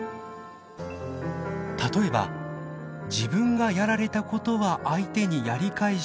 例えば自分がやられたことは相手にやり返してもいい。